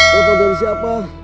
telepon dari siapa